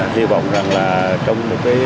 hy vọng rằng là trong một cái